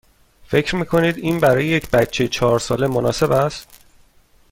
فکر می کنید این برای یک بچه چهار ساله مناسب است؟